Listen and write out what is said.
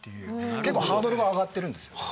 結構ハードルが上がってるんです。